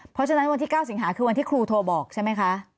เพราะฉะนั้นวันที่๙สิงหาคือวันที่ครูโทรบอกใช่ไหมคะ